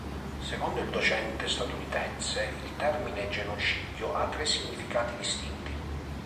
Secondo il docente statunitense, il termine genocidio ha tre significati distinti.